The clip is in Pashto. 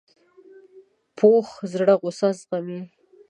پوخ زړه غصه زغمي